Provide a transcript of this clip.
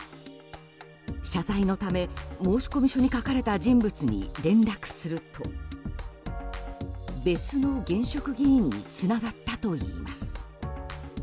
謝罪のため、申込書に書かれた人物に連絡すると別の現職議員につながったといいます。